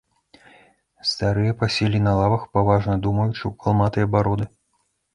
Старыя паселі на лавах, паважна думаючы ў калматыя бароды.